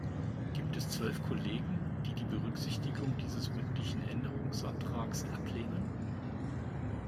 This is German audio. Gibt es zwölf Kollegen, die die Berücksichtigung dieses mündlichen Änderungsantrags ablehnen?